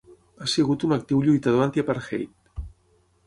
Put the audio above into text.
Ha sigut un actiu lluitador antiapartheid.